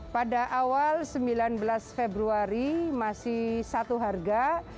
pada awal sembilan belas februari masih satu harga